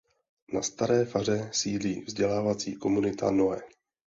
Na staré faře sídlí vzdělávací Komunita Noe.